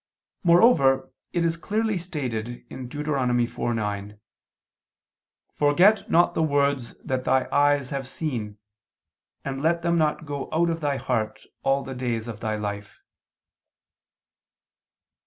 Moreover it is clearly stated (Deut. 4:9): "Forget not the words that thy eyes have seen and let them not go out of thy heart all the days of thy life."